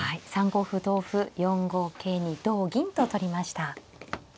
３五歩同歩４五桂に同銀と取りました。